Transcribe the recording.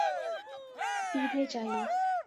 سیدھے جائیے